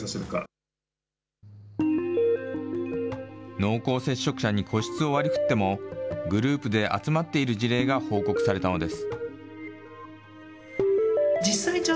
濃厚接触者に個室を割りふっても、グループで集まっている事例が報告されたのです。